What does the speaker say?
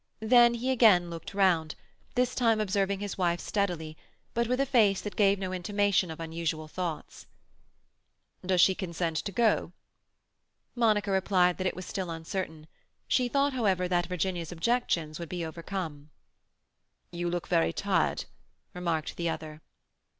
Then he again looked round, this time observing his wife steadily, but with a face that gave no intimation of unusual thoughts. "Does she consent to go?" Monica replied that it was still uncertain; she thought, however, that Virginia's objections would be overcome. "You look very tired," remarked the other.